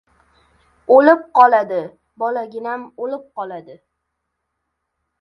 — O‘lib qoladi! Bolaginam o‘lib qoladi!